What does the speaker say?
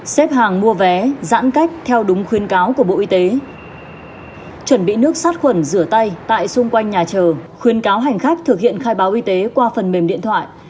xếp hàng mua vé giãn cách theo đúng khuyên cáo của bộ y tế chuẩn bị nước sát khuẩn rửa tay tại xung quanh nhà chờ khuyến cáo hành khách thực hiện khai báo y tế qua phần mềm điện thoại